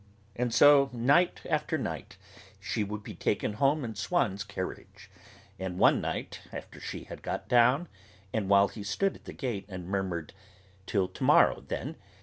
And so, night after night, she would be taken home in Swann's carriage; and one night, after she had got down, and while he stood at the gate and murmured "Till to morrow, then!"